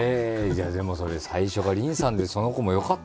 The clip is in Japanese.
でもそれ最初が林さんでその子もよかっただろうな。